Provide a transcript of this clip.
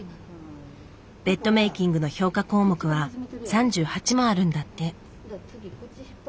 ベッドメイキングの評価項目は３８もあるんだって。